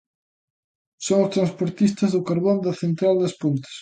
Son os transportistas do carbón da central das Pontes.